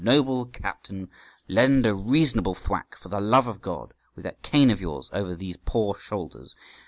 "Noble captain, lend a reasonable thwack, for the love of God, with that cane of yours over these poor shoulders."